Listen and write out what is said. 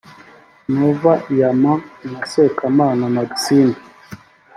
Nova Bayama na Sekamana Maxime